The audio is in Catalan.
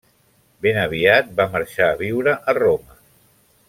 Ben aviat va marxar a viure a Roma.